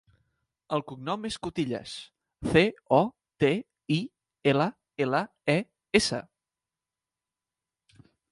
El cognom és Cotillas: ce, o, te, i, ela, ela, a, essa.